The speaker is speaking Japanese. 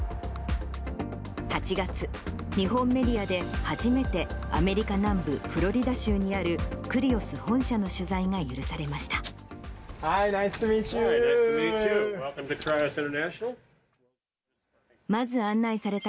８月、日本メディアで初めて、アメリカ南部フロリダ州にあるクリオス本社の取材が許されました。